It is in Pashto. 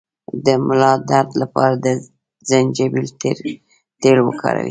د ملا درد لپاره د زنجبیل تېل وکاروئ